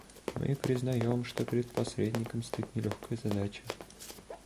Мы признаем, что перед посредником стоит нелегкая задача.